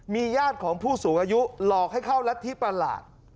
มีญาติของผู้สูงอายุหลอกให้เข้ารัฐธิประหลาด